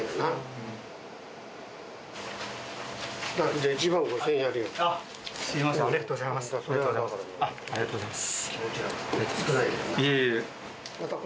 ・ありがとうございます。